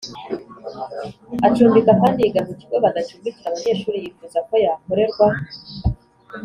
Acumbika Kandi Yiga Mu Kigo Badacumbikira Abanyeshuri Yifuza Ko Yakorerwa